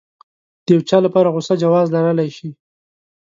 د يو چا لپاره غوسه جواز لرلی شي.